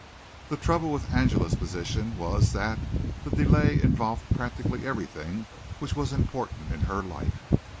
The trouble with Angela's position was that the delay involved practically everything which was important in her life.